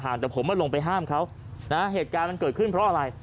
แต่ผมมาลงไปห้ามเขานะฮะเหตุการณ์มันเกิดขึ้นเพราะอะไร